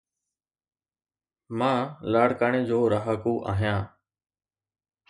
مان لاڙڪاڻي جو رھاڪو آھيان.